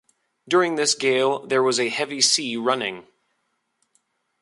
During this gale, there was a heavy sea running.